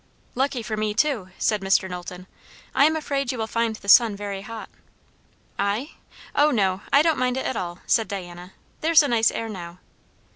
"Lucky for me, too," said Mr. Knowlton. "I am afraid you will find the sun very hot!" "I? O no, I don't mind it at all," said Diana. "There's a nice air now.